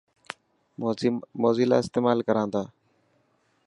موزيلا استيمال ڪران تا.